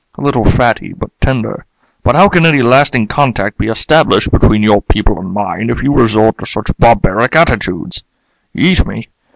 A little fatty, but tender. But how can any lasting contact be established between your people and mine if you resort to such barbaric attitudes? Eat me?